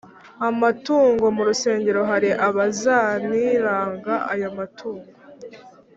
amatungo mu rusengero Hari abizaniraga ayo matungo